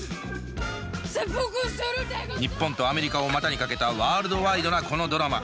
日本とアメリカを股にかけたワールドワイドなこのドラマ。